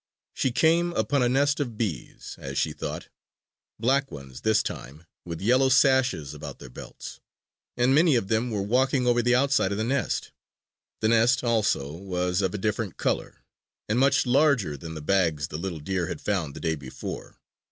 She came upon a nest of bees as she thought black ones this time, with yellow sashes about their belts; and many of them were walking over the outside of the nest. The nest, also, was of a different color, and much larger than the bags the little deer had found the day before.